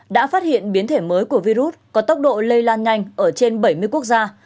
đã phát hiện biến thể mới của virus có tốc độ lây lan nhanh ở trên bảy mươi quốc gia